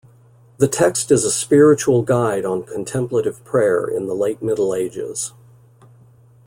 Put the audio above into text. The text is a spiritual guide on contemplative prayer in the late Middle Ages.